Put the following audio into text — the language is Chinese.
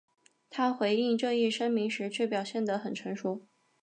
他回应这一声明时却表现得很成熟。